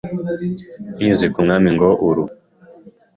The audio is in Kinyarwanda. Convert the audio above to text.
binyuze ku Mwami ngo uru